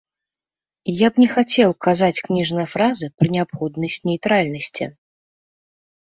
Я б не хацеў казаць кніжныя фразы пра неабходнасць нейтральнасці.